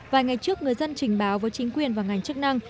vài ngày trước người dân trình báo với chính quyền và ngành chức năng